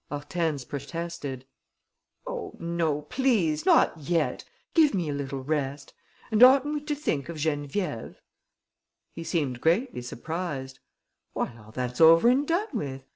Hortense protested: "Oh, no, please, not yet!... Give me a little rest!... And oughtn't we to think of Geneviève?" He seemed greatly surprised: "Why, all that's over and done with!